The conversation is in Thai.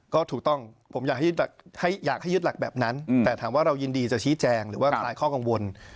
ก็ถูกต้องผมอยากให้ยึดหลักแบบนั้นแต่ถามว่าเรายินดีจะชี้แจงหรือว่าคลายข้อกังวล